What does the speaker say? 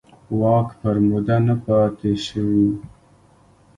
واک پر موده نه پاتې شوي.